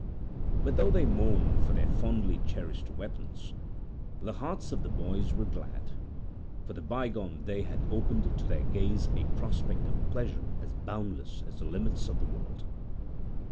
But though they mourned for their fondly cherished weapons, the hearts of the boys were glad; for the bygone day had opened to their gaze a prospect of pleasure as boundless as the limits of the world.